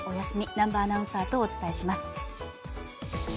南波アナウンサーとお伝えします。